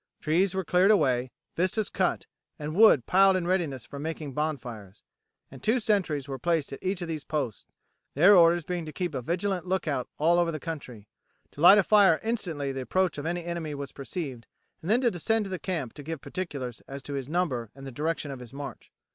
Trees were cleared away, vistas cut, and wood piled in readiness for making bonfires, and two sentries were placed at each of these posts, their orders being to keep a vigilant lookout all over the country, to light a fire instantly the approach of any enemy was perceived, and then to descend to the camp to give particulars as to his number and the direction of his march.